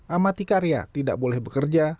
amati karya tidak boleh bekerja